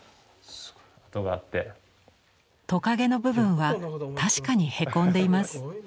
トカゲの部分は確かにへこんでいます。